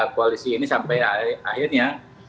koalisi ini sampai akhirnya